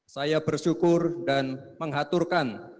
saya bersyukur dan mengaturkan